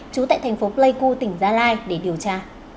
trú tại thành phố pleiku tỉnh gia lai để điều tra